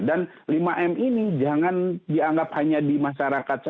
dan lima m ini jangan dianggap hanya di masyarakat